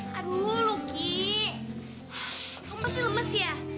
kamu masih lemes ya